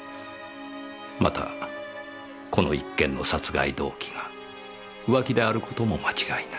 またこの一件の殺害動機が浮気である事も間違いない。